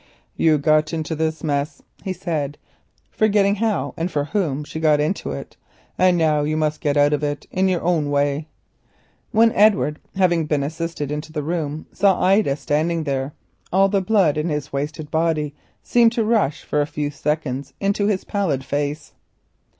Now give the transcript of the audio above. "You got into this mess," he said, forgetting how and for whom she got into it, "and now you must get out of it in your own way." When Edward, having been assisted into the room, saw Ida standing there, all the blood in his wasted body seemed to rush into his pallid face.